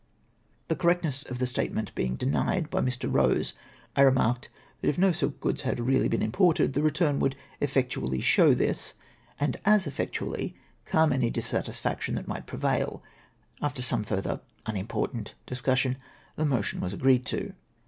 The correctness of the statement being denied by ]\ir. Eose, I remarked that if no silk goods had really been imported, the return would effectually show this, and as eflectually calm any dissatisfaction that might prevail. After some further unimportant discussion, the motion was agreed to.